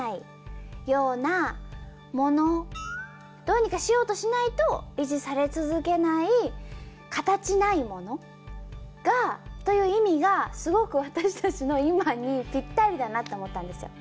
どうにかしようとしないと維持され続けない形ないものがという意味がすごく私たちの今にぴったりだなと思ったんですよ。